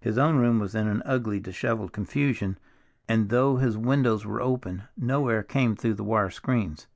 His own room was in an ugly, disheveled confusion, and though his windows were open, no air came through the wire screens.